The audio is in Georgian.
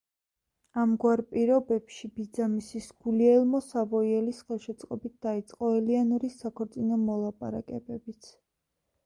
ამგვარ პირობებში, ბიძამისის, გულიელმო სავოიელის ხელშეწყობით დაიწყო ელეანორის საქორწინო მოლაპარაკებებიც.